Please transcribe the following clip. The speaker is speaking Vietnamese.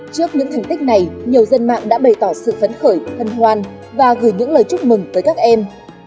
trước những thành tích này nhiều dân mạng đã bày tỏ sự phấn khởi hân hoan và gửi những lời chúc mừng tới các em